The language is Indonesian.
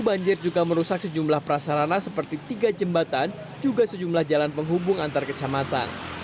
banjir juga merusak sejumlah prasarana seperti tiga jembatan juga sejumlah jalan penghubung antar kecamatan